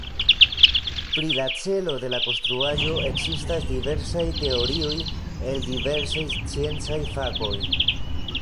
Pri la celo de la konstruaĵo ekzistas diversaj teorioj el diversaj sciencaj fakoj.